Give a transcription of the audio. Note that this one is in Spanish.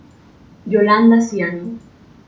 Yolanda Ciani.